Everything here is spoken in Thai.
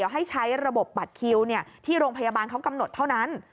ให้ใช้ระบบบัตรคิวที่โรงพยาบาลเขากำหนดเท่านั้น